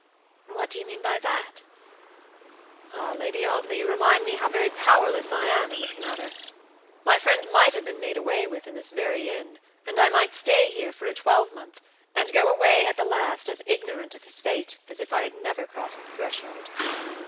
"What do you mean by that?" "Ah, Lady Audley, you remind me how very powerless I am in this matter. My friend might have been made away with in this very inn, and I might stay here for a twelvemonth, and go away at the last as ignorant of his fate as if I had never crossed the threshold.